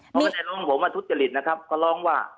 พอไม่ได้ลงผมมาทุกจริตนะครับก็ลองว่า